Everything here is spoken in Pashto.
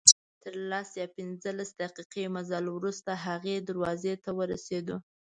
تر لس یا پنځلس دقیقې مزل وروسته هغې دروازې ته ورسېدو.